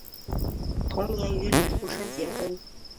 同年与李富春结婚。